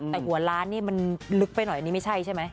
แต่หัวล้านนี่มันลึกไปหน่อยอันนี้ไม่ใช่ใช่ไหม